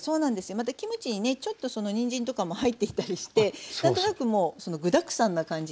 またキムチにねちょっとにんじんとかも入っていたりして何となくもう具だくさんな感じになってますよね。